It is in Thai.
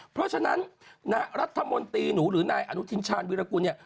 เพราะฉะนั้นรัฐมนตรีหนูหรือนายอนุทินชาญวิรากุลเนี่ย